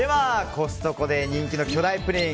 コストコで人気の巨大プリン